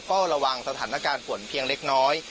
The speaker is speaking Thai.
ก็ระวังสถานการณ์ฝนเพียงเล็กน้อย